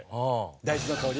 大豆の香り？